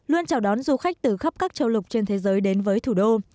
luôn chào đón du khách từ khắp các châu lục trên thế giới đến với thủ đô